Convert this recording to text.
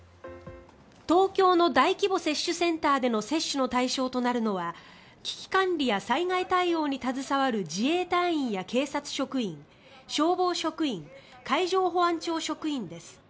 東京の大規模接種センターでの接種の対象となるのは危機管理や災害対応に携わる自衛隊員や警察職員消防職員、海上保安庁職員です。